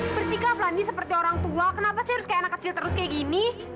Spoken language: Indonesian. bersikap landy seperti orang tua kenapa sih harus kayak anak kecil terus kayak gini